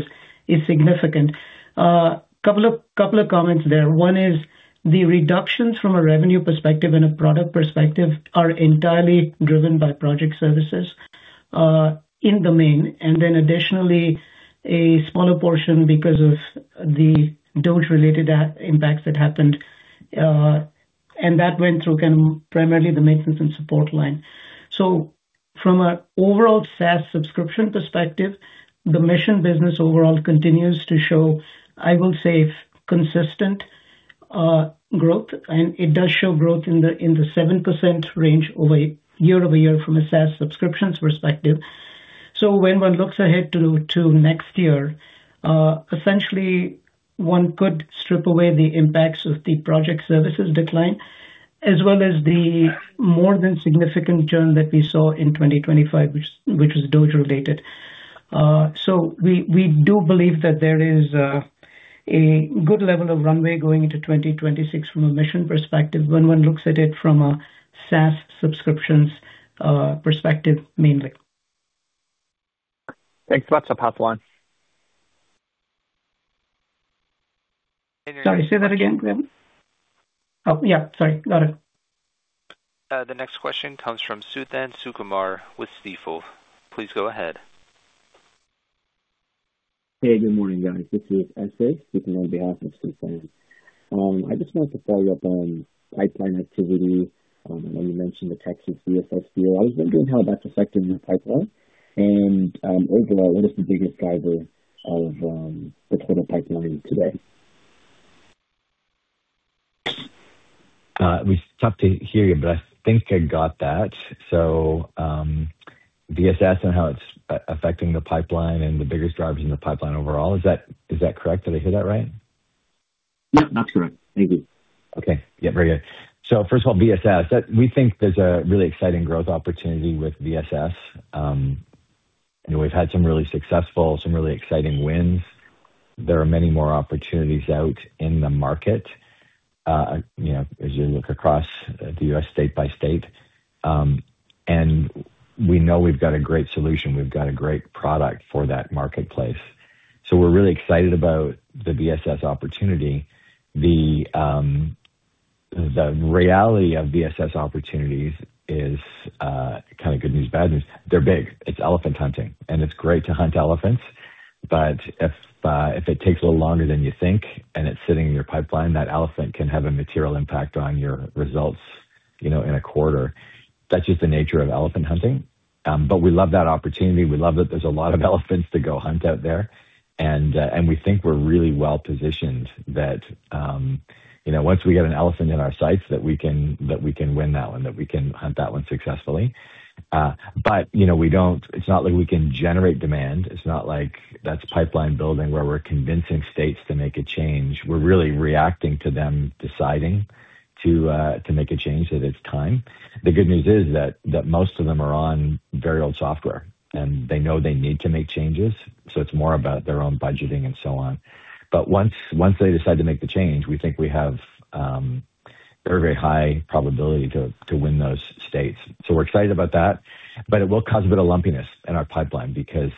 Speaker 4: is significant. Couple of comments there. One is the reductions from a revenue perspective and a product perspective are entirely driven by project services in the main, and then additionally a smaller portion because of the Dodge related impact that happened, and that went through kind of primarily the maintenance and support line. From an overall SaaS subscription perspective, the Mission business overall continues to show, I will say, consistent growth, and it does show growth in the 7% range year-over-year from a SaaS subscriptions perspective. When one looks ahead to next year, essentially one could strip away the impacts of the project services decline as well as the more than significant churn that we saw in 2025, which was Dodge related. We do believe that there is a good level of runway going into 2026 from a Mission perspective when one looks at it from a SaaS subscriptions perspective mainly.
Speaker 6: Thanks. Thanks a lot. Pass the line.
Speaker 4: Sorry, say that again, Gavin. Oh, yeah, sorry. Got it.
Speaker 1: The next question comes from Suthan Sukumar with Stifel. Please go ahead.
Speaker 7: Hey, good morning, guys. This is Nigel, speaking on behalf of Suthan Sukumar. I just wanted to follow up on pipeline activity. I know you mentioned the Texas OAG VSS deal. I was wondering how that's affecting your pipeline and, overall, what are some biggest drivers of the total pipeline today?
Speaker 3: It was tough to hear you, but I think I got that. VSS and how it's affecting the pipeline and the biggest drivers in the pipeline overall. Is that correct? Did I hear that right?
Speaker 7: Yep, that's correct. Thank you.
Speaker 3: Okay. Yeah, very good. First of all, VSS. We think there's a really exciting growth opportunity with VSS. You know, we've had some really successful, some really exciting wins. There are many more opportunities out in the market, you know, as you look across the U.S. state by state, and we know we've got a great solution, we've got a great product for that marketplace. We're really excited about the VSS opportunity. The reality of VSS opportunities is kind of good news, bad news. They're big. It's elephant hunting, and it's great to hunt elephants, but if it takes a little longer than you think and it's sitting in your pipeline, that elephant can have a material impact on your results, you know, in a quarter. That's just the nature of elephant hunting. We love that opportunity. We love that there's a lot of elephants to go hunt out there. We think we're really well positioned that, you know, once we get an elephant in our sights, that we can win that one, that we can hunt that one successfully. You know, It's not like we can generate demand. It's not like that's pipeline building where we're convincing states to make a change. We're really reacting to them deciding to make a change that it's time. The good news is that most of them are on very old software, and they know they need to make changes, so it's more about their own budgeting and so on. Once they decide to make the change, we think we have very, very high probability to win those states. We're excited about that, but it will cause a bit of lumpiness in our pipeline because,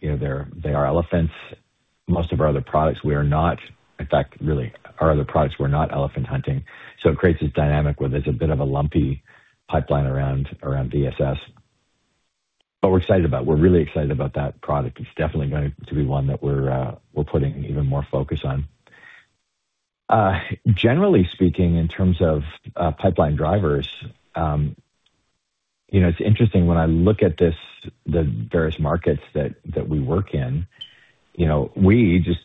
Speaker 3: you know, they're, they are elephants. Most of our other products, we are not. In fact, really our other products, we're not elephant hunting. It creates this dynamic where there's a bit of a lumpy pipeline around VSS. But we're excited about that. We're really excited about that product. It's definitely going to be one that we're putting even more focus on. Generally speaking, in terms of pipeline drivers, you know, it's interesting when I look at this, the various markets that we work in, you know, we just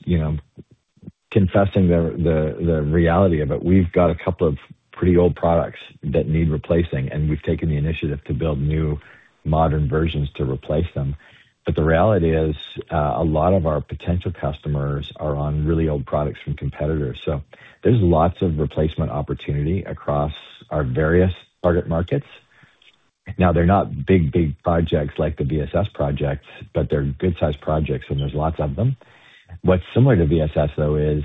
Speaker 3: confessing the reality of it, we've got a couple of pretty old products that need replacing, and we've taken the initiative to build new modern versions to replace them. The reality is, a lot of our potential customers are on really old products from competitors, so there's lots of replacement opportunity across our various target markets. Now, they're not big projects like the VSS projects, but they're good-sized projects, and there's lots of them. What's similar to VSS, though, is,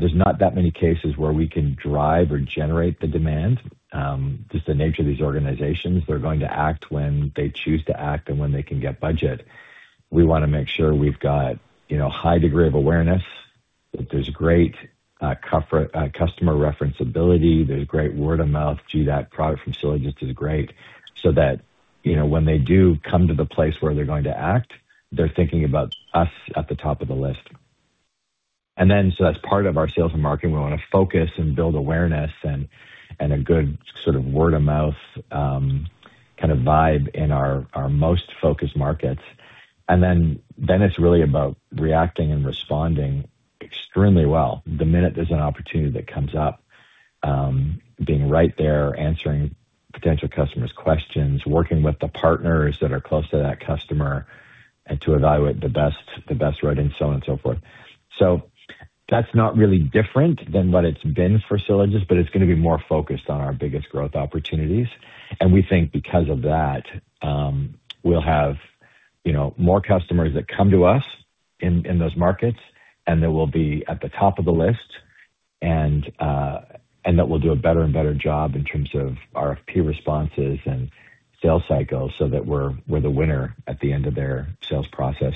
Speaker 3: there's not that many cases where we can drive or generate the demand. Just the nature of these organizations, they're going to act when they choose to act and when they can get budget. We wanna make sure we've got, you know, high degree of awareness, that there's great, customer reference ability, there's great word of mouth, "Gee, that product from Sylogist is great," so that, you know, when they do come to the place where they're going to act, they're thinking about us at the top of the list. As part of our sales and marketing, we wanna focus and build awareness and a good sort of word of mouth kind of vibe in our most focused markets. It's really about reacting and responding extremely well. The minute there's an opportunity that comes up, being right there, answering potential customers' questions, working with the partners that are close to that customer, and to evaluate the best road and so on and so forth. That's not really different than what it's been for Sylogist, but it's gonna be more focused on our biggest growth opportunities. We think because of that, we'll have, you know, more customers that come to us in those markets, and that we'll be at the top of the list and that we'll do a better and better job in terms of RFP responses and sales cycles so that we're the winner at the end of their sales process.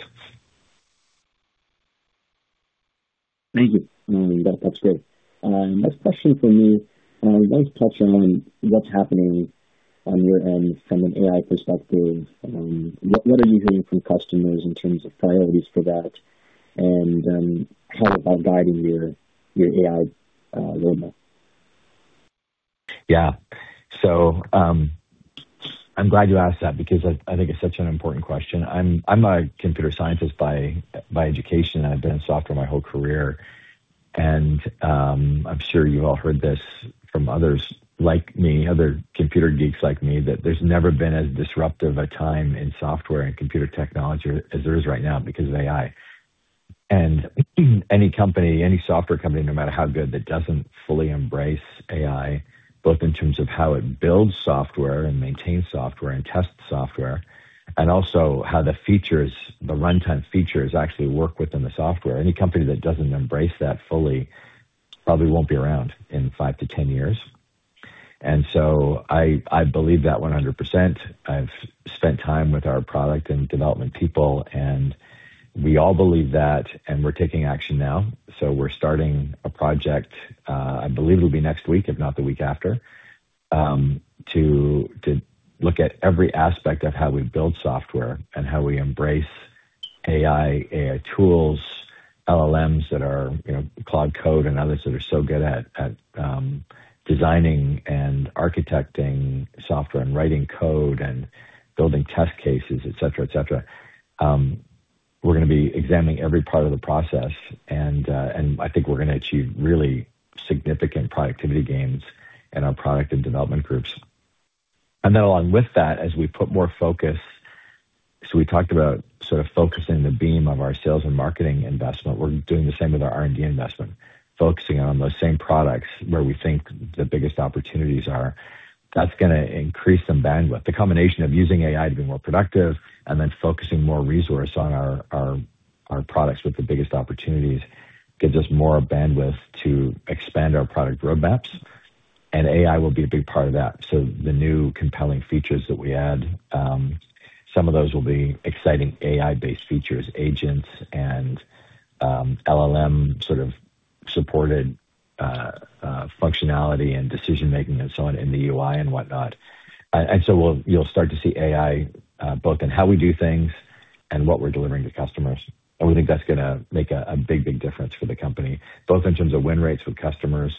Speaker 7: Thank you. That's great. Last question for you. Let's touch on what's happening on your end from an AI perspective. What are you hearing from customers in terms of priorities for that and, how is that guiding your AI roadmap?
Speaker 3: Yeah. I'm glad you asked that because I think it's such an important question. I'm a computer scientist by education. I've been in software my whole career. I'm sure you've all heard this from others like me, other computer geeks like me, that there's never been as disruptive a time in software and computer technology as there is right now because of AI. Any company, any software company, no matter how good, that doesn't fully embrace AI, both in terms of how it builds software and maintains software and tests software, and also how the features, the runtime features actually work within the software. Any company that doesn't embrace that fully probably won't be around in five to 10 years. I believe that 100%. I've spent time with our product and development people, and we all believe that, and we're taking action now. We're starting a project, I believe it'll be next week, if not the week after, to look at every aspect of how we build software and how we embrace AI tools, LLMs that are, you know, Claude Code and others that are so good at designing and architecting software and writing code and building test cases, et cetera, et cetera. We're gonna be examining every part of the process and I think we're gonna achieve really significant productivity gains in our product and development groups. Along with that, as we put more focus. We talked about sort of focusing the beam of our sales and marketing investment. We're doing the same with our R&D investment, focusing on those same products where we think the biggest opportunities are. That's gonna increase some bandwidth. The combination of using AI to be more productive and then focusing more resource on our products with the biggest opportunities gives us more bandwidth to expand our product roadmaps. AI will be a big part of that. The new compelling features that we add, some of those will be exciting AI-based features, agents and LLM sort of supported functionality and decision-making and so on in the UI and whatnot. You'll start to see AI both in how we do things and what we're delivering to customers. We think that's gonna make a big difference for the company, both in terms of win rates with customers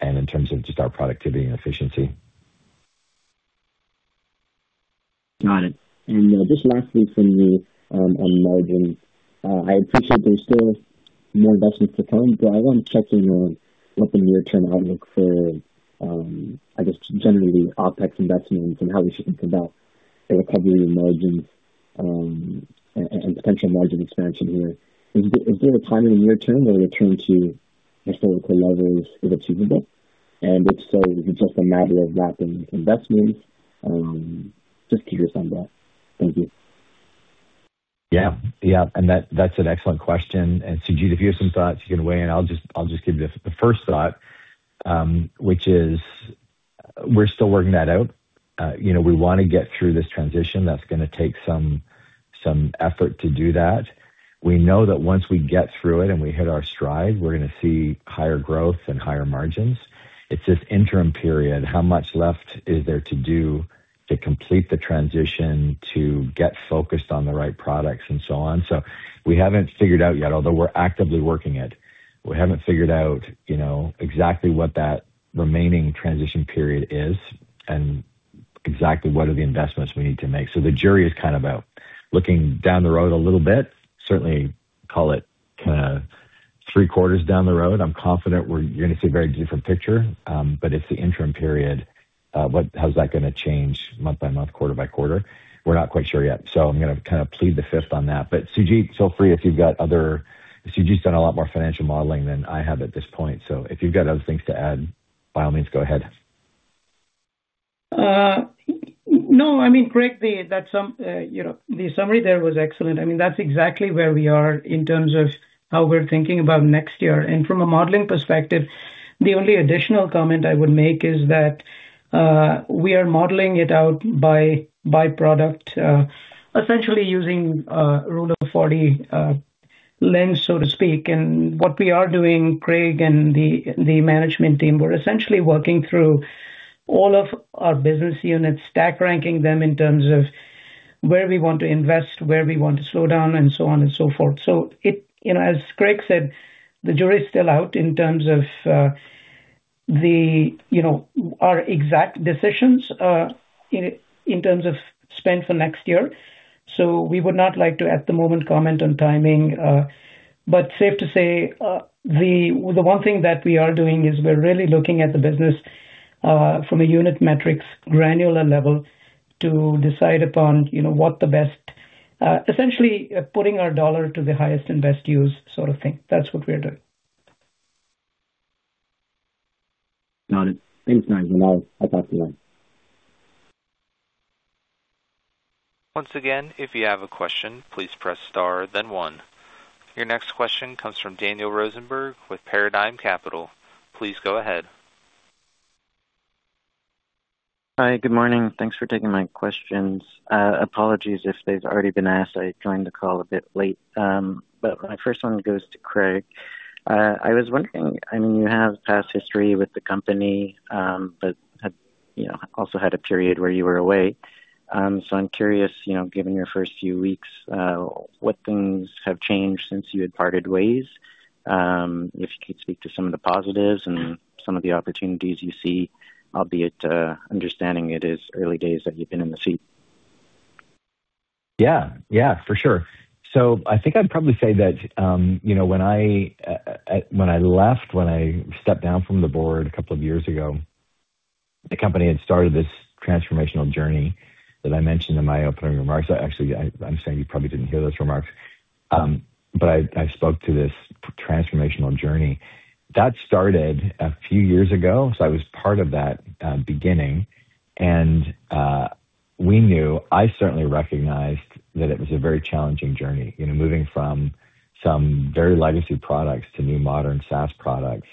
Speaker 3: and in terms of just our productivity and efficiency.
Speaker 7: Got it. Just lastly from me, on margin, I appreciate there's still more investments to come, but I wanted to check in on what the near-term outlook for, I guess generally OpEx investments and how we should think about a recovery in margin, and potential margin expansion here. Is there a time in the near term where we return to historical levels if achievable? If so, is it just a matter of managing investments? Just curious on that. Thank you.
Speaker 3: Yeah. Yeah. That, that's an excellent question. Sujeet, if you have some thoughts, you can weigh in. I'll just give the first thought, which is we're still working that out. You know, we wanna get through this transition. That's gonna take some effort to do that. We know that once we get through it and we hit our stride, we're gonna see higher growth and higher margins. It's this interim period. How much left is there to do to complete the transition, to get focused on the right products and so on? We haven't figured out yet, although we're actively working it. We haven't figured out, you know, exactly what that remaining transition period is and exactly what are the investments we need to make. The jury is kind of out. Looking down the road a little bit, certainly call it kinda three-quarters down the road. I'm confident you're gonna see a very different picture. It's the interim period. How's that gonna change month by month, quarter by quarter? We're not quite sure yet. I'm gonna kind of plead the fifth on that. Sujeet, feel free. Sujeet's done a lot more financial modeling than I have at this point. If you've got other things to add, by all means, go ahead.
Speaker 4: No, I mean, Craig, the summary there was excellent. I mean, that's exactly where we are in terms of how we're thinking about next year. From a modeling perspective, the only additional comment I would make is that we are modeling it out by product, essentially using a Rule of 40 lens, so to speak. What we are doing, Craig and the management team, we're essentially working through all of our business units, stack ranking them in terms of where we want to invest, where we want to slow down, and so on and so forth. It, you know, as Craig said, the jury is still out in terms of the, you know, our exact decisions in terms of spend for next year. We would not like to at the moment comment on timing, but safe to say, the one thing that we are doing is we're really looking at the business from a unit metrics granular level to decide upon, you know, what the best essentially putting our dollar to the highest and best use sort of thing. That's what we are doing.
Speaker 7: Got it.
Speaker 8: Thanks, Nigel.
Speaker 7: I'll pass it on.
Speaker 1: Once again, if you have a question, please press star then one. Your next question comes from Daniel Rosenberg with Paradigm Capital. Please go ahead.
Speaker 8: Hi, good morning. Thanks for taking my questions. Apologies if they've already been asked. I joined the call a bit late. My first one goes to Craig. I was wondering, I mean, you have past history with the company, but have, you know, also had a period where you were away. So I'm curious, you know, given your first few weeks, what things have changed since you had parted ways? If you could speak to some of the positives and some of the opportunities you see, albeit, understanding it is early days that you've been in the seat.
Speaker 3: Yeah. Yeah, for sure. I think I'd probably say that, you know, when I left, when I stepped down from the board a couple of years ago, the company had started this transformational journey that I mentioned in my opening remarks. Actually, I'm sorry you probably didn't hear those remarks. But I spoke to this transformational journey that started a few years ago, so I was part of that beginning. We knew, I certainly recognized that it was a very challenging journey. You know, moving from some very legacy products to new modern SaaS products,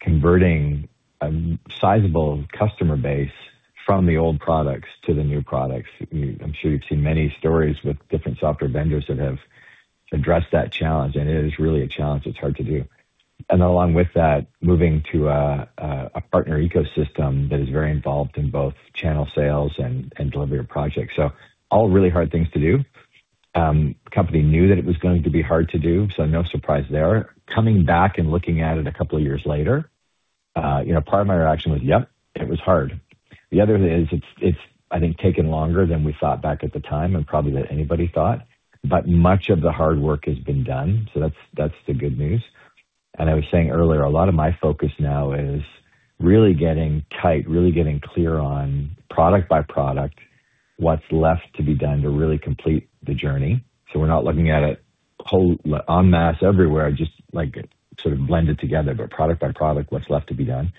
Speaker 3: converting a sizable customer base from the old products to the new products. I'm sure you've seen many stories with different software vendors that have addressed that challenge, and it is really a challenge. It's hard to do. Moving to a partner ecosystem that is very involved in both channel sales and delivery of projects. All really hard things to do. Company knew that it was going to be hard to do, so no surprise there. Coming back and looking at it a couple of years later, you know, part of my reaction was, "Yep, it was hard." The other is it's taken longer than we thought back at the time and probably that anybody thought. Much of the hard work has been done, so that's the good news. I was saying earlier, a lot of my focus now is really getting tight, really getting clear on product by product, what's left to be done to really complete the journey. We're not looking at it wholesale en masse everywhere, just, like, sort of blended together, but product by product, what's left to be done.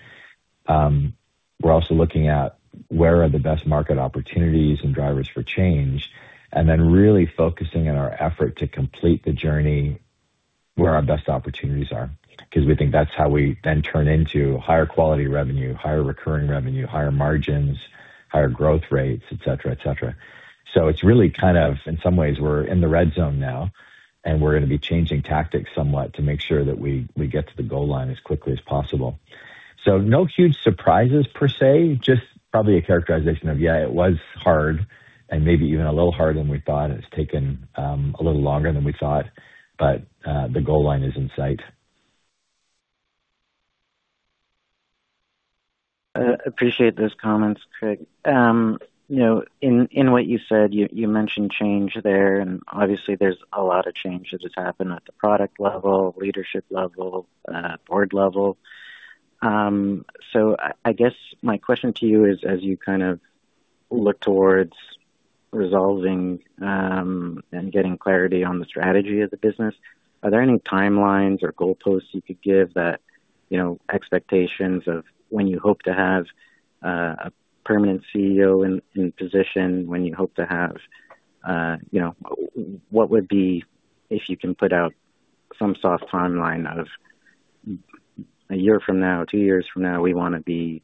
Speaker 3: We're also looking at where are the best market opportunities and drivers for change, and then really focusing in our effort to complete the journey where our best opportunities are because we think that's how we then turn into higher quality revenue, higher recurring revenue, higher margins, higher growth rates, et cetera, et cetera. It's really kind of, in some ways, we're in the red zone now, and we're gonna be changing tactics somewhat to make sure that we get to the goal line as quickly as possible. No huge surprises per se, just probably a characterization of, yeah, it was hard and maybe even a little harder than we thought. It's taken a little longer than we thought, but the goal line is in sight.
Speaker 8: Appreciate those comments, Craig. You know, in what you said, you mentioned change there, and obviously there's a lot of change that has happened at the product level, leadership level, board level. I guess my question to you is, as you kind of look towards resolving and getting clarity on the strategy of the business, are there any timelines or goalposts you could give that, you know, expectations of when you hope to have a permanent CEO in position, when you hope to have, you know, what would be, if you can put out some soft timeline of a year from now, two years from now, we wanna be,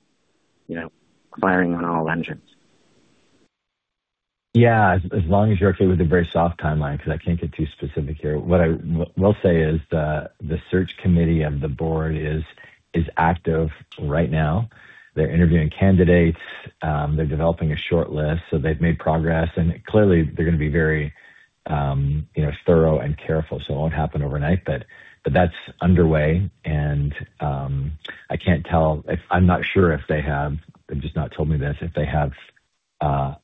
Speaker 8: you know, firing on all engines?
Speaker 3: Yeah. As long as you're okay with a very soft timeline because I can't get too specific here. What I will say is the search committee of the board is active right now. They're interviewing candidates. They're developing a shortlist, so they've made progress, and clearly they're gonna be very, you know, thorough and careful. It won't happen overnight, but that's underway and I can't tell. I'm not sure if they have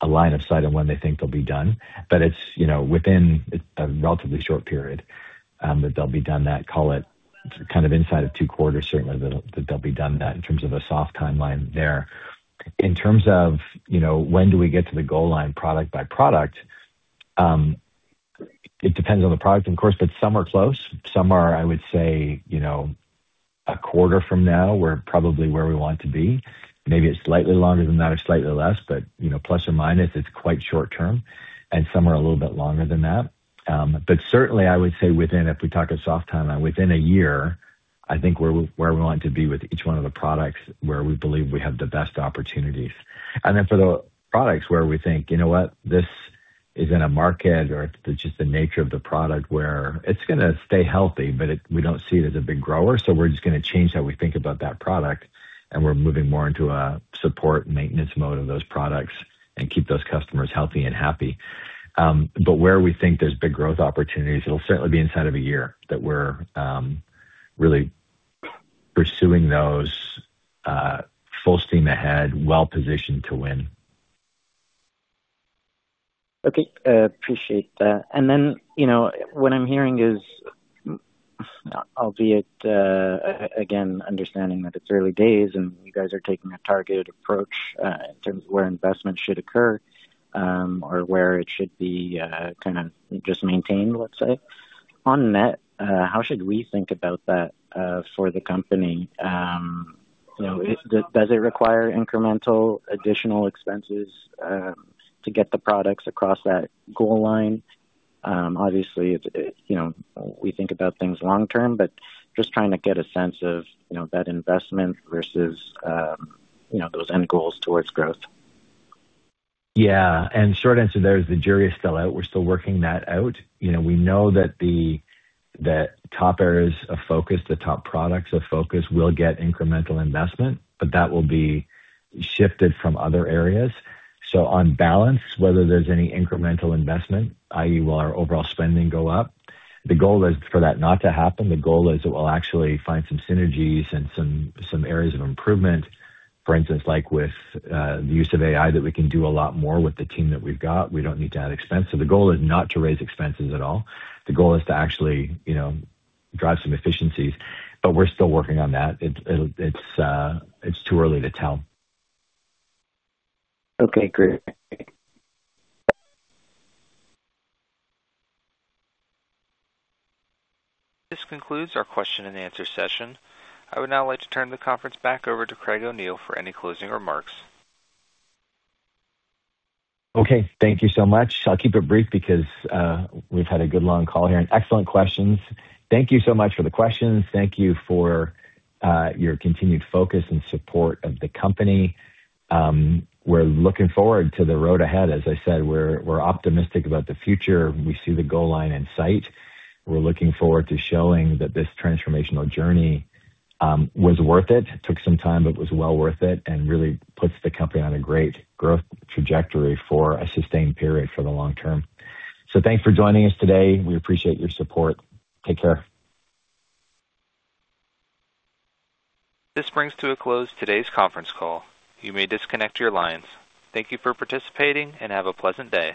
Speaker 3: a line of sight on when they think they'll be done. They've just not told me this. It's, you know, within a relatively short period that they'll be done that. Call it kind of inside of two quarters certainly that they'll be done that in terms of a soft timeline there. In terms of, you know, when do we get to the goal line product by product? It depends on the product, of course, but some are close, some are, I would say, you know, a quarter from now, we're probably where we want to be. Maybe it's slightly longer than that or slightly less, but you know, plus or minus, it's quite short term and some are a little bit longer than that. Certainly I would say within, if we talk a soft timeline, within a year, I think we're where we want to be with each one of the products where we believe we have the best opportunities. For the products where we think, "You know what, this is in a market or just the nature of the product where it's gonna stay healthy, but we don't see it as a big grower, so we're just gonna change how we think about that product, and we're moving more into a support maintenance mode of those products and keep those customers healthy and happy." But where we think there's big growth opportunities, it'll certainly be inside of a year that we're really pursuing those full steam ahead, well-positioned to win.
Speaker 8: Okay. Appreciate that. You know, what I'm hearing is, albeit, again, understanding that it's early days and you guys are taking a targeted approach, in terms of where investments should occur, or where it should be, kind of just maintained, let's say. On net, how should we think about that, for the company? You know, does it require incremental additional expenses, to get the products across that goal line? Obviously, it's, you know, we think about things long term, but just trying to get a sense of, you know, that investment versus, you know, those end goals towards growth.
Speaker 3: Yeah. Short answer there is the jury is still out. We're still working that out. You know, we know that the top areas of focus, the top products of focus will get incremental investment, but that will be shifted from other areas. On balance, whether there's any incremental investment, i.e., will our overall spending go up? The goal is for that not to happen. The goal is that we'll actually find some synergies and some areas of improvement. For instance, like with the use of AI, that we can do a lot more with the team that we've got. We don't need to add expense. The goal is not to raise expenses at all. The goal is to actually, you know, drive some efficiencies. We're still working on that. It's too early to tell.
Speaker 8: Okay, great.
Speaker 1: This concludes our question and answer session. I would now like to turn the conference back over to Craig O'Neill for any closing remarks.
Speaker 3: Okay, thank you so much. I'll keep it brief because we've had a good long call here and excellent questions. Thank you so much for the questions. Thank you for your continued focus and support of the company. We're looking forward to the road ahead. As I said, we're optimistic about the future. We see the goal line in sight. We're looking forward to showing that this transformational journey was worth it. Took some time, but was well worth it, and really puts the company on a great growth trajectory for a sustained period for the long term. Thanks for joining us today. We appreciate your support. Take care.
Speaker 1: This brings to a close today's conference call. You may disconnect your lines. Thank you for participating and have a pleasant day.